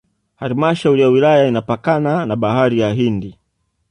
Halmashauri ya wilaya inapakana na Bahari ya Hindi